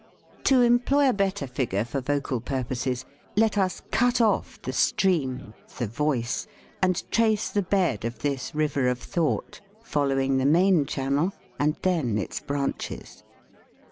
To employ a better figure for vocal purposes, let us cut off the stream, the voice, and trace the bed of this river of thought, following the main channel, and then its branches.